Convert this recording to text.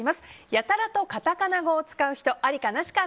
やたらとカタカナ語を使う人ありかなしか。